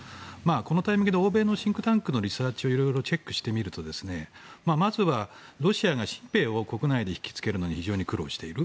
このタイミングで欧米のシンクタンクのリサーチを色々チェックしてみるとまずはロシアが新兵を国内で引きつけるのに非常に苦労している。